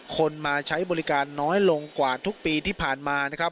คนมาใช้บริการน้อยลงกว่าทุกปีที่ผ่านมานะครับ